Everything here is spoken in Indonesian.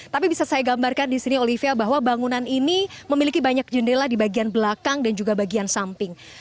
tapi bisa saya gambarkan di sini olivia bahwa bangunan ini memiliki banyak jendela di bagian belakang dan juga bagian samping